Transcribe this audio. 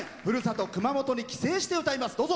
ふるさと熊本に帰省して歌います。